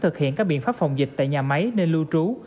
thực hiện các biện pháp phòng dịch tại nhà máy nơi lưu trú